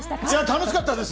楽しかったです！